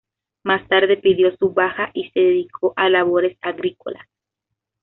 Más tarde pidió su baja y se dedicó a labores agrícolas.